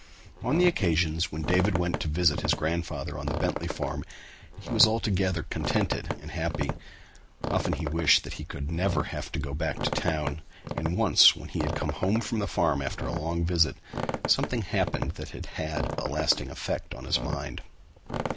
On the occasions when David went to visit his grandfather on the Bentley farm, he was altogether contented and happy. Often he wished that he would never have to go back to town and once when he had come home from the farm after a long visit, something happened that had a lasting effect on his mind.